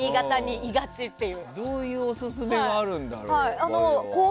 どういうオススメがあるんだろう？